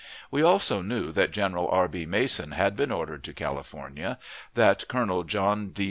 We also knew that General R. B. Mason had been ordered to California; that Colonel John D.